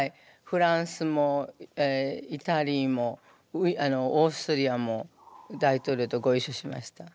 フランスもイタリーもオーストリアも大統領とごいっしょしました。